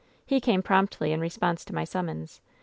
"He came promptly in response to my summons.